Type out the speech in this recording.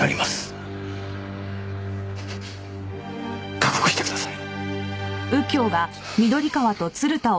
覚悟してください。